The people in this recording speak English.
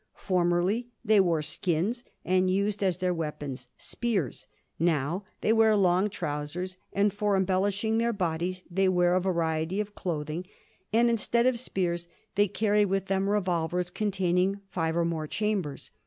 Formerly, they wore skins, and used as their weapons spears. Now, they wear long trousers, and for embellishing their bodies they wear a variety of clothing, and, instead of spears, they carry with them revolvers containing five or more chambers.